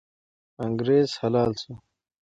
انګریز حلال سو.